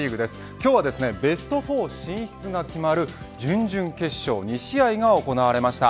今日はベスト４進出が決まる準々決勝２試合が行われました。